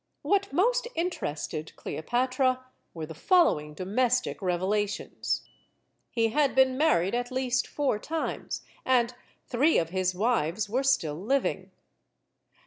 What most interested Cleopatra were the follow ing domestic revelations: He had been married at least four times, and three of his wives were still living.